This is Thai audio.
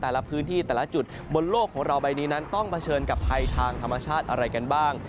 แต่ละพื้นที่แต่ละจุดบนโลกของเราใบนี้นั้นต้องเผชิญกับภัยทางธรรมชาติอะไรกันบ้าง